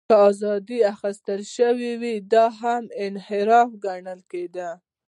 که ازادۍ اخیستل شوې وې، دا هم انحراف ګڼل کېده.